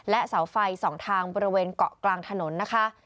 เสาไฟสองทางบริเวณเกาะกลางถนนนะคะ